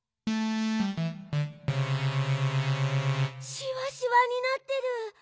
シワシワになってる！